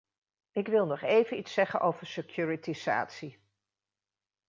Ik wil nog even iets zeggen over securitisatie.